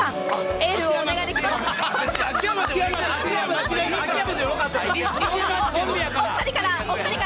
エールをお願いできますか。